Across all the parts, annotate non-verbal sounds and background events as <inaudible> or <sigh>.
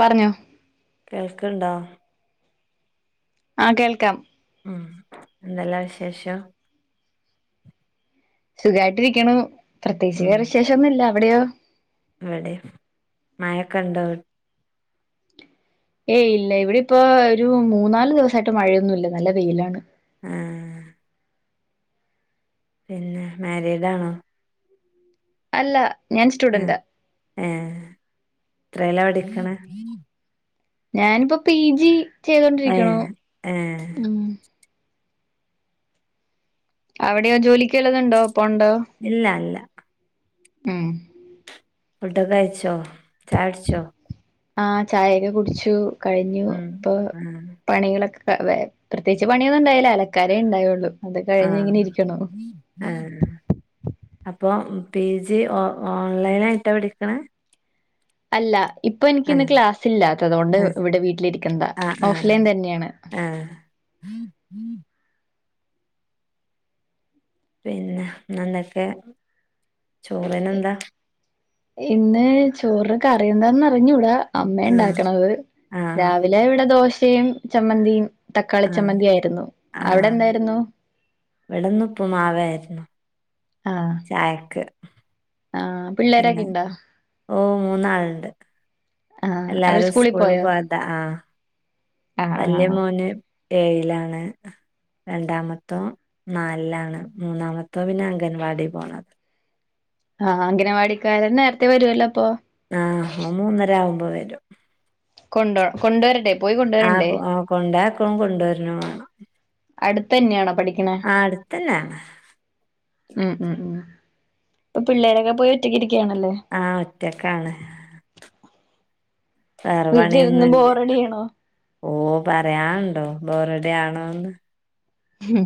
പറഞ്ഞോ കേൾക്ക്‌ണ്ടോ ആ കേൾക്കാം ഉം എന്തെല്ലാ വിശേഷം സുഖായിട്ടിരിക്ക്‌ണു പ്രത്യേകിച്ച് ഉം വേറെ വിശേഷൊന്നുല്ല അവിടെയോ ഇവിടേം മഴക്കെണ്ടോ അ ഏയ് ഇല്ല ഇവിടെ പ്പൊ ഒരു മൂന്നാല് ദിവസായിട്ട് മഴയൊന്നുല്ല നല്ല വെയിലാണ് ആഹ് പിന്നെ മാരിഡാണോ അല്ല ഞാൻ സ്റ്റുഡന്റ ഏ എത്രേല പഠിക്കണെ ഞാന് പ്പൊ പിജി ചെയ്തോണ്ടിരിക്കുണു ഏഹ് ഏഹ് അവിടെയോ ജോലിക്ക്‌ വല്ലതുണ്ടോ പോവ്ണ്ടോ ഇല്ല ല്ല ഉം ഫുഡോക്കെ കഴിച്ചോ ചായുടിച്ചോ ആഹ് ചായെക്കെ കുടിച്ചു കഴിഞ്ഞു ഉം ഇപ്പൊ ആഹ് പണികളൊക്കെ വെ പ്രത്യേകിച്ച് പണിയൊന്നുണ്ടായില്ല അലക്കാനേ ണ്ടായുള്ളൂ അത് ആഹ് കഴിഞ്ഞ്ങ്ങനെ ഇരിക്കുണു ആഹ് അപ്പൊ പി ജി ഒ ഓൺലൈനായിട്ടാ പഠിക്കണേ അല്ല ഇപ്പൊ എനിക്കിന്ന് ആഹ് ക്ലാസ് ഇല്ലാത്തതോണ്ട് ആഹ് ഇവിടെ വീട്ടിലിരിക്കുന്നതാ ആഹ് ആഹ് ഓഫ്ലൈൻ തന്ന്യാണ് ആഹ് <inaudible> പിന്നെ എന്തൊക്കെ ചൊറിനെന്താ ഇന്ന് ചോറിന് കറി യെന്താന്നറിഞ്ഞൂട അമ്മേ ആഹ് ണ്ടാക്കണത് ആഹ് രാവിലെവടെ ദോശയും ചമ്മന്തിയും തക്കാളി ആഹ് ചമ്മന്തിയായിരുന്നു അവടെന്തായിരുന്നു ഇവടെ ന്ന് ഉപ്പ്മാവാര്ന്നു ആഹ് ചായക്ക് ആഹ് പിള്ളേരൊക്കെ പിന്നെ ഇണ്ടോ? ഓ മൂന്നാള്ണ്ട് ആഹ് അവര് എല്ലാരും സ്കൂളി സ്കൂൾല് പോയോ? പോയ ത ആ ആഹ് വല്യ ആഹ് മോന് ഏഴിലാണ് രണ്ടാമത്തോൻ നാലിലാണ് മൂന്നാമത്തോൻ പിന്നെ അംഗൻവാടി പോണത ആഹ് അംഗനവാടിക്കാരൻ നേരത്തെ വരുല്ലോ അപ്പൊ ആ ഓൻ മൂന്നരാവുമ്പോ വെരും കൊണ്ട കൊണ്ടൊരടെ ആഹ് കൊ കൊണ്ടായ്ക്കുണും കൊണ്ടരണും വാണം അട്ത്തെന്ന്യാണോ പഠി ആ അട്ത്തെന്നാ ഉം ഉം ഉം ഇപ്പൊ പിള്ളേരൊക്കെ പോയി ഒറ്റക്കിരിക്കാണല്ലേ ആഹ് ഒറ്റക്കാണ് വേറെ വീട്ടിലിരുന്ന് പണിയൊന്നുംല്ല ബോറടിയാണോ? ഓ പറയാണ്ടോ ബോറടിയാണോന്ന് ഉം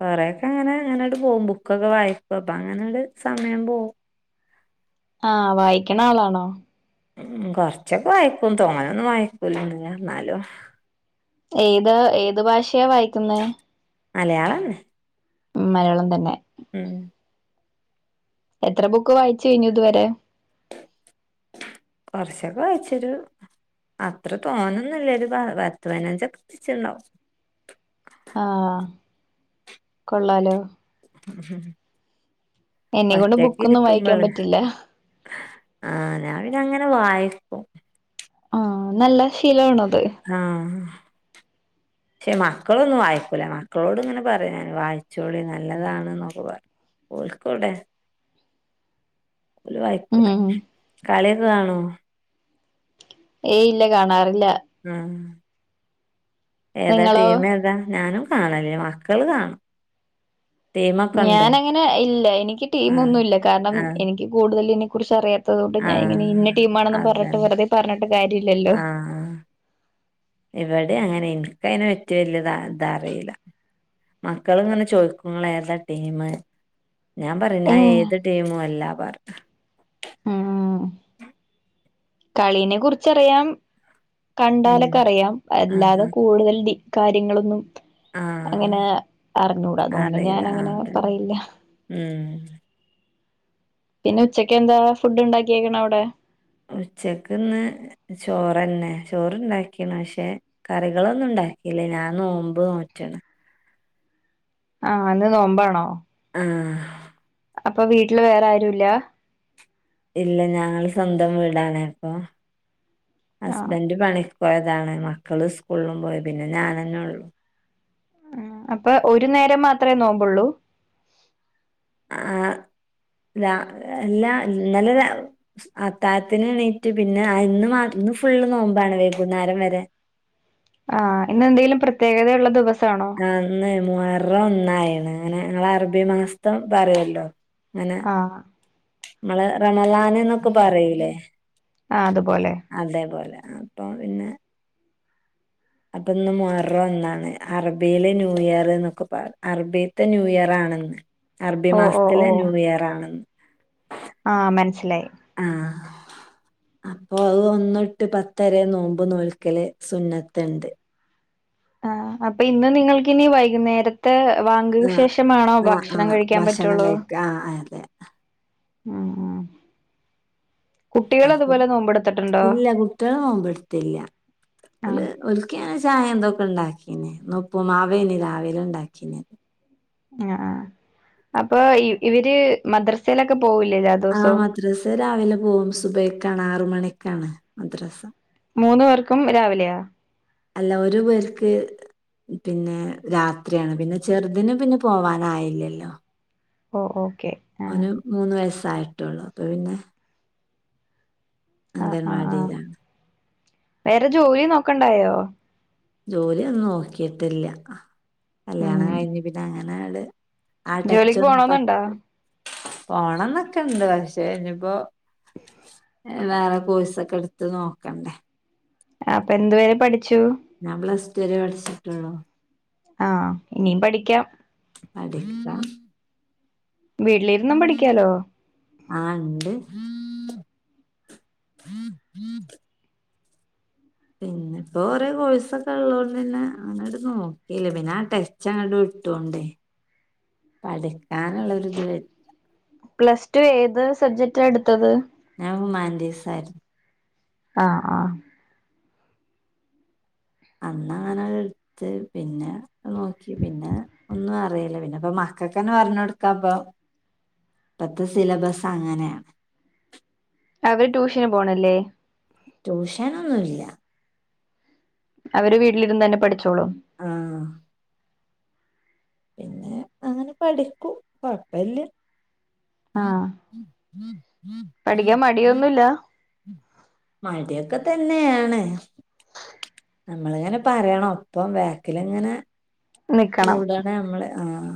കൊറെക്കെ അങ്ങനെ അങ്ങനണ്ട് പോം ബുക്കൊക്കെ വായിക്കും അപ്പങ്ങനണ്ട് സമയം പോം ആഹ് വായിക്ക്ണാളാണോ ഉം കൊർച്ചൊക്കെ വായിക്കും. തോനൊന്നും വായിക്കൂലന്നുല്ല, ന്നാലും ഏത് ഏത് ഭാഷയ വായിക്കുന്നെ മലയാളന്നെ ഉം മലയാളം തന്നെ ഉം എത്ര ബുക്ക് വായിച്ചു കഴിഞ്ഞു ഇതുവരെ കൊർച്ചൊക്കെ വായ്ച്ചിരു അത്ര തോന്നൊന്നുല്യരു പത്ത് പയ്നഞ്ചൊക്കെ വായ്ച്ചുണ്ടാവും ആഹ് കൊള്ളാലോ ഉം എന്നെ കൊണ്ട് ബുക്കൊന്നും വായിക്കാൻ ഒറ്റക്കിരിക്ക്മ്പള് പറ്റില്ല ആഹ് ഞാന് പിന്നഅങ്ങനെ വായിക്കും ആഹ് നല്ല ശീലമാണത് ആഹ് ക്ഷെ മക്കളൊന്നും വായിക്കൂല. മക്കളോട് ങ്ങനെ പറ്യും ഞാന്. വായിച്ചോളി നല്ലതാണ്ന്നൊക്കെ പർ ഓൽകൗടെ ഓല് വായിക്കൂല ഉം കളിയൊക്കെ കാണോ ഏയ് ഇല്ല കാണാറില്ല ആഹ് ഏതാ നിങ്ങളോ ടീമേതാ ഞാനും കാണലില്ല മക്കള് കാണും ടീമൊക്കെ ഉണ്ടോ ഞാനങ്ങനെ ഇല്ല, എനിക്ക് ടീം ആഹ് ഒന്നുംല്ല കാരണം ആഹ് എനിക്ക് കൂടുതലിതിനെ കുറിച്ച് അറിയാ ത്തതുകൊണ്ട് ഞാൻ ഇങ്ങന ആഹ് ഇന്ന ടീമാണെന്ന് പറഞ്ഞി്ട്ട് അതന്നെ വെറുതെ പറഞ്ഞട്ട് കാര്യല്ലല്ലോ ആഹ് ഇവടിം അങ്ങനെ, ഇൻക്കയ്നെ പറ്റി വല്യത തറീല്ല മക്കള്ങ്ങനെ ചോയ്ക്കുങ്ങളേതാ ടീമ് ഞാൻ പറയും നാ ഏഹ് ഏത് ടീമും അല്ലാ പറ്യും ഉം കളീനെ കുറിച്ചറിയാം ഉം കണ്ടാലൊക്കറിയാം ആഹ് അല്ലാതെ കൂടുതൽ ഡി കാര്യങ്ങളൊന്നും ആഹ് അങ്ങനേ അറിഞ്ഞൂട. അതുകൊണ്ട് അറിയില്ല ആഹ് ഞാനങ്ങനെ അതന്നെ പറയില്ല ഉം പിന്നെ ഉച്ചക്ക് എന്താ ഫുഡ്ണ്ടാക്കിയേക്കണ അവിടെ ഉച്ചക്ക്ന്ന് ചോറന്നെ ചോറ്ണ്ടാക്കീണ്, പക്ഷെ കറികളൊന്നുണ്ടാക്കില്ല, ഞാൻ നോമ്പ് നോറ്റ്ണ് ആഹ് ന്ന് നോമ്പാണോ ആഹ് അപ്പൊ വീട്ടില് വേറാരൂല്ല ഇല്ല ഞങ്ങള് സ്വന്തം വീടാണ് അപ്പൊ ആഹ് ഹസ്ബൻഡ് പണി ക്കോയതാണ് മക്കള് സ്കൂളിലും പോയി പിന്നെ ഞാനന്നെള്ളു ആഹ് അപ്പൊ ഒരു നേരം മാത്രേ നോമ്പുള്ളൂ അ ആ രാ എല്ലാ ഇന്നലെ ര അത്തായ് ത്തിന് ണീട്ട് പിന്നെ ഇന്ന് ഇന്ന് ഫുള്ള് നോമ്പാണ് വൈകുന്നേരം വരെ ആഹ് ഇന്നെന്തേലും പ്രത്യേകതയുള്ള ദിവസാണോ ആഹ് ന്ന് മുഹറം ഒന്നായിണ്. ഞങ്ങളർബി മാസം പറ്യല്ലോ ങ്ങനെ ആഹ് മ്മളെ റമളാന്ന്നൊക്കെ പറയിലേ ആഹ് അതുപോലെ അതേപോലെ അപ്പം പിന്നെ അപ്പൊ ഇന്ന് മൊഹറം ഒന്നാണ് അറബിയിലെ ന്യൂ ഇയറ്ന്നൊക്കെ പറ അറബിത്തെ ന്യൂ ഇയർ ആണ് ഇന്ന് അറബി ഓ ഓ ഓ മാസത്തിലെ ന്യൂ ഇയർ ആണ്ന്ന് ആഹ് മനസ്സിലായി ആഹ് അപ്പൊ അത് ഒന്നൊട്ട് പത്തരെ നോമ്പ് നോൽക്കല് സുന്നത്ത്ണ്ട് ആഹ് അപ്പൊ ഇന്ന് നിങ്ങൾക്ക് ഇനി വൈകുന്നേര ത്തെ വാങ്കിന് ആഹ് ശേഷമാണോ ആഹ് ഭക്ഷണം ആഹ് കഴിക്കാൻ ഭക്ഷണം പറ്റുള്ളു കഴിക്ക ആഹ് അതെ ആഹ് ആഹ് അപ്പം നോമ്പെടുത്തിട്ടുണ്ടോ ഇല്ല കുട്ട്യേള് നോമ്പെട്ത്തില്ലാ ഓല് ആഹ് ഓൽക് ക്കി ഞാൻ ചായ ഇതൊക്കെ ഇണ്ടാക്കീന് ഇന്ന് ഉപ്പുമാവേനി രാവിലെ ഇണ്ടാക്കീനത് ആഹ് ആഹ് അപ്പൊ ഇ ഇവര് മദ്രസയിലൊക്കെ പോവൂലേ രാത് ആഹ് മദ്രസേ രാവിലെ പോകും സുബൈക്കാണ് ആറ് മണിക്കാണ് മദ്രസാ മൂന്നു പേർക്കും രാവിലെയാ അല്ല ഒരു പേർക്ക് പിന്നെ രാത്രിയാണ് പിന്നെ ചെറുതിന് പിന്നെ പോവാനായില്ലല്ലോ ഓഹ് ഓക്കെ ആ ഓന് മൂന്ന് വയസ്സായിട്ടുള്ളു അപ്പൊ പിന്നെ ആഹ് ആഹ് ആഹ് അംഗൻവാടിയിലാണ് വേറെ ജോലി നോക്കണ്ടായോ ജോലി ഒന്നും നോക്കിട്ടില്ലാ കല്യാണം ഉം കഴിഞ്ഞ് പിന്നെ അങ്ങനാട് ജോലിക്ക് ആടച്ചൊന്നും പോണോന്നുണ്ടോ <unintelligible> പോണന്നൊക്കെ ഇണ്ട് പക്ഷെ ഇനിയിപ്പോ വേറെ കോഴ്സൊക്കെ എടുത്ത് നോക്കണ്ടേ ആഹ് അപ്പൊ എന്ത് വരെ പഠിച്ചു ഞാൻ പ്ലസ് ടു വരെ പഠിച്ചിട്ടുള്ളൂ ആഹ് ഇനിയും പഠിക്കാം പഠിക്കാം വീട്ടിലിരുന്നും പഠിക്കാലോ ആഹ് ളണ്ട് പിന്നെ ഇപ്പോ കൊറെ കോഴ്സൊക്കെ ഇള്ളോണ്ട് പിന്നെ അങ്ങനാട്ട് നോക്കില്ലാ പിന്നെ ആ ടെച്ച് അങ്ങട് വിട്ടോണ്ടേ പഠിക്കാന്ള്ളൊര് ഇത് വെര് പ്ലസ് ടു ഏത് സബ്ജക്റ്റാ എടുത്തത്? ഞാൻ ഹ്യുമാനിറ്റീസ് ആയിരുന്നു ആഹ് ആഹ് അന്നങ്ങനെ എടുത്ത് പിന്നെ നോക്കി പിന്നെ ഒന്നും അറിയില്ല പിന്നെ ഇപ്പ മക് മക്കക്കെന്നെ പറഞ്ഞ് കൊടുക്കാപ്പം ഇപ്പത്തെ സിലബസ് അങ്ങനെയാ അവര് ട്യൂഷന് പോണില്ലേ ട്യൂഷനൊന്നുല്ലാ അവര് വീട്ടിലിരുന്ന് തന്നെ പഠിച്ചോളും ഉം പിന്നെ അങ്ങനെ പഠിക്കും കൊഴപ്പല്ലാ ആഹ് പഠിക്കാൻ മടിയൊന്നുല്ലാ മടിയൊക്കെ തന്നെയാണ് നമ്മളിങ്ങനെ പറയണം അപ്പം ബാക്കിലിങ്ങനെ നിക്കണം കൂടാ പിന്നെ നമ്മള് ആഹ്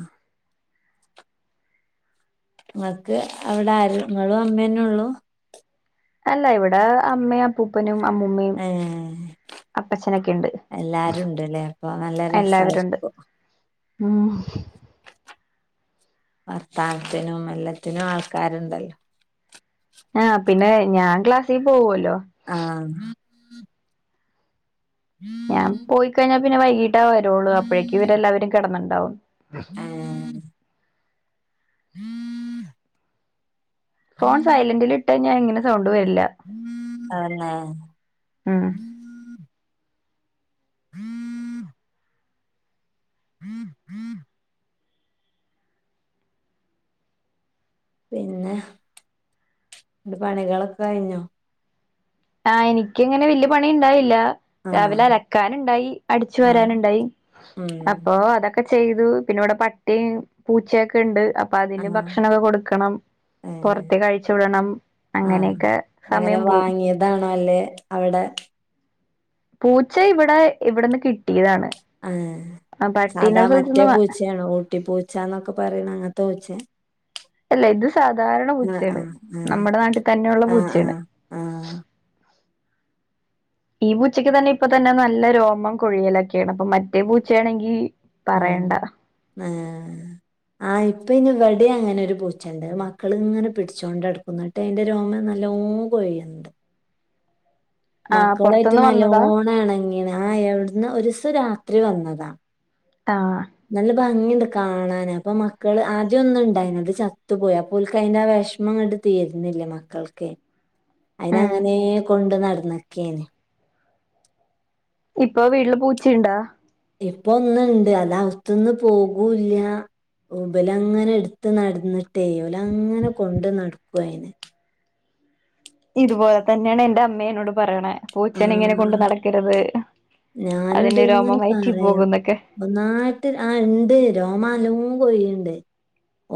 മക്ക് അവിടെ ആര് ഇങ്ങളും അമ്മേയന്നെ ഉള്ളൂ അല്ല ഇവിടെ അമ്മയും അപ്പൂപ്പനും അമ്മൂമ്മയും ഏഹ് അപ്പച്ചനൊക്കെയുണ്ട് എല്ലാരും ഉണ്ട്ല്ലേ അപ്പൊ നല്ല എല്ലാവരും ഉണ്ട് രസായിരിക്കും. ആഹ് വർത്താനത്തിനും എല്ലത്തിനും ആൾക്കാരുണ്ടല്ലോ ആഹ് പിന്നെ ഞാൻ ക്ലാസ്സിൽ പോവൂല്ലോ ആഹ് മ്മ്മ് ഞാൻ പോയിക്കഴിഞ്ഞാൽ പിന്നെ വൈകീട്ടേ വരൂള്ളൂ അപ്പോഴേക്കും ഇവരെല്ലാവരും കെടന്നിട്ടുണ്ടാവും ഇമ്മ്മ് ഇമ്മ്മ്മ് ഫോൺ സൈലന്റിൽ ഇട്ട് കഴിഞ്ഞാൽ ഇങ്ങനെ സൗണ്ട് വരില്ല ആന്നോ ഉം മ്മ്മ്മ്മ് മ്മ് മ്മ് പിന്നെ അന്റെ പണികളൊക്കെ കഴിഞ്ഞോ ആഹ് എനിക്കങ്ങനെ വല്യ പണിയുണ്ടാവില്ല ആഹ് രാവിലെ അലക്കാനുണ്ടായി അടിച്ചു ആഹ് വരാനുണ്ടായി ഉം അപ്പൊ അതൊക്കെ ഒക്കെ ചെയ്തു പിന്നെ ഇവിടെ പട്ടിയും പൂച്ചയൊക്കെയുണ്ട് അപ്പൊ അതിന് ആഹ് ഭക്ഷണവൊക്കെ കൊടുക്കണം ഏഹ് പുറത്തേക്ക് അഴിച്ച് വിടണം അങ്ങനെയൊക്കെ സമയം പോവും അതാണല്ലേ അവിടെ പൂച്ച ഇവിടെ ഇവിടെന്ന് കിട്ടിയതാണ് ആഹ് ആ പട്ടീനെ സാധാ ഒരു മറ്റേ സ്ഥലത്തുന്ന് വാ പൂച്ചയാണോ ഊട്ടിപ്പൂച്ച എന്നൊക്കെ പറയണ അങ്ങനത്തെ പൂച്ചയാ അല്ല ഇത് സാധാരണ പൂച്ചയാണ് ആഹ് ആഹ് നമ്മുടെ നാട്ടിൽ തന്നെയുള്ള ആഹ് പൂച്ചയാണ് ആഹ് ആഹ് ഈ പൂച്ചയ്ക്ക് തന്നെ ഇപ്പൊത്തന്നെ നല്ല രോമം കൊഴിയലൊക്കെയാണ് അപ്പൊ മ റ്റേ പൂച്ചയാണെങ്കി പറയണ്ട ഏ ആ ഇപ്പൊ ഇനി ഇവിടെയും അങ്ങനെ ഒരു പൂച്ചയൊണ്ട് മക്കളിങ്ങനെ പിടിച്ചോണ്ട് നട ക്കും എന്നിട്ട് അതിന്റെ രോമം നല്ലോ കൊഴിയുന്നുണ്ട് ആ മക്കളായിട്ട് പൊറത്തുന്ന് വന്നതാ നല്ലോണം എണങ്ങീന്ന് ആ എവിടുന്ന് ഒരു ദിവസം രാത്രി വന്നതാ ആഹ് നല്ല ഭംഗിയുണ്ട് കാണാന് അപ്പൊ മക്കള് ആദ്യം ഒന്ന് ഉണ്ടായിന് അത് ചത്തു പോയി അപ്പോ ഓൽക്ക് അതിന്റെ ആ വിഷമം അങ്ങട്ട് തീർന്നില്ലേ മക്കൾക്കെ അതിനെ ഉം അങ്ങനെയേ കൊണ്ട് നടന്നിക്കെയാണ് ഇപ്പൊ വീട്ടില് പൂച്ചയൊണ്ടാ ഇപ്പ ഒന്നുണ്ട് അത് അകത്തൂന്ന് പോകൂല്ല ഇബല് അങ്ങനെ എടുത്ത് നടന്നിട്ടേ ഇവലങ്ങനെ കൊണ്ട് നടക്കുവാ അയിനെ ഇതുപോലെ തന്നെയാണ് എന്റെ അമ്മയും എന്നോട് പറയണെ പൂച്ചേനെ ഇങ്ങനെ കൊണ്ട് ആഹ് നടക്കരുത് ഞാനിട്ട് അതിന്റെ രോമം ഇങ്ങനെ വയറ്റിൽ പറയും പോകൂന്നൊക്കെ ഒന്നായിട്ട് ആ ഇണ്ട് രോമം നല്ലോ കൊഴിയുന്നുണ്ട്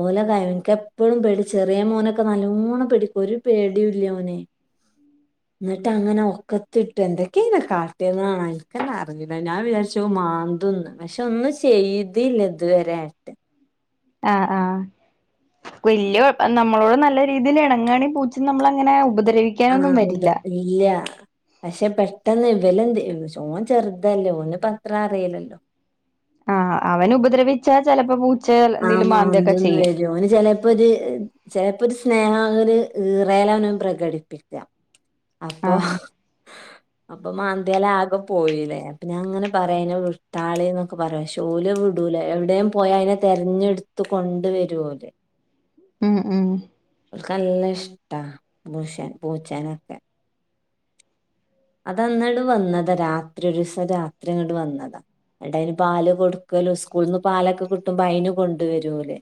ഓലെ കാര്യം എനിക്ക് എപ്പോളും പേടി ചെറിയ മോനൊക്കെ നല്ലോണ്ണം പിടിക്കും ഒരു പേടിയുമില്ല ഓന് എന്നിട്ട് അങ്ങനെ ഒക്കത്തിട്ട് എന്തൊക്കെയാ അയിനെ കാട്ടുന്ന കാണാ എനിക്ക് തന്നെ അറിഞ്ഞില്ല ഞാൻ വിചാരിച്ച് അത് മാന്തൂന്ന് പക്ഷെ ഒന്നും ചെയ്തില്ല ഇതുവരെയായിട്ടും ആഹ് ആഹ് വല്ല്യ നമ്മളോട് നല്ല രീതിയിൽ ഇണങ്ങുവാണെ പൂച്ച നമ്മളെ അങ്ങനെ ഉപദ്രവി ആഹ് ഉണ്ട് ഇല്ല പക്ഷെ പെട്ടെന്ന് ഇവല് എന്ത് ഓൻ ചെർതല്ലോ ഓന്പ്പത്ര അറീലല്ലോ ആ അവന് ഉപദ്രവിച്ച ചെലപ്പ പൂചെ എന്തങ്കിലും മാന്തൊക്കെ ചെയ്യും യോന് ചെലെപ്പ ഒര് ചെലെപ്പ ഒര് സ്നേഹ ഒര് ഈറേലാണ് പ്രകടിപ്പി യ അപ്പൊ ആഹ് അപ്പം മാന്തിയാലാക പോയിലെ അപ്പ ഞാങ്ങന പറയ്‌ അയ്നെ വിട്ടാളി ന്നൊക്ക പറയാ പക്ഷെ ഓല് വിടൂല എവ്ടേം പോയാ അയ്നെ തെര്ഞ്ട്ത്ത് കൊണ്ടു വരു ഓല് ഉം ഉം ഓൽക്ക് നല്ല ഇഷ്ട പൂശൻ പൂച്ചനൊക്കെ അത് അന്നാണ്ട് വന്നതാ രാത്രി ഒരൂസം രാത്രിങ്ങട്ട് വന്നതാ ന്നട്ട് അയിന് പാല് കൊട്ക്കലും സ്കൂൾന്ന് പാലക്കെ കിട്ടുമ്പോ അയിന് കൊണ്ട് വരു ഓല്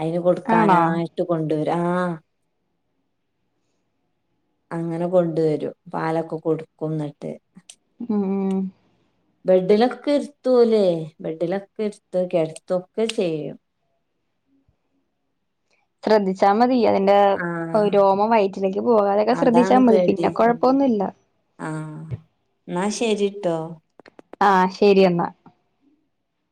അയിന് ആണോ കൊക്കാനാ ട്ട് കൊണ്ടുവരും ആ അങ്ങനെ കൊണ്ടുവരും പാലൊക്ക കൊടുക്കും ന്നട്ട് ഉം ഉം <unintelligible> ബെഡിലൊക്ക ഇര്ത്തു ഓല് ബെഡിലൊക്ക ഇര്ത്ത് കേട്ത്തൊക്കെ ചെയ്യും ശ്രദ്ധിച്ചാ മതി അതിന്റെ ആ രോമം വയറ്റിലേക്ക് പോവാതെക്കെ ശ്രദ്ധിച്ചാ അതാണ് മതി പേടി പിന്നെ കൊഴപ്പ ഉം. ഒന്നുല്ല ആ ന്നാ ശരിട്ടോ ആ ശരി എന്ന